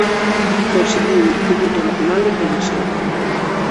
Presidiu o Instituto Nacional de Previsión.